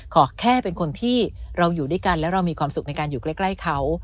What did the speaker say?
ขอแค่เป็นคนที่เราอยู่ด้วยกันและเรามีความสุขในการอยู่ใกล้เขา